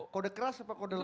kode keras apa kode